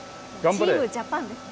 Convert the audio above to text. チームジャパンですね。